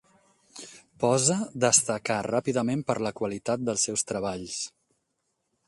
Posa destacà ràpidament per la qualitat dels seus treballs.